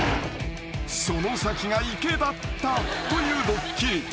［その先が池だったというドッキリ］